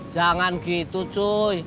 jangan gitu cuy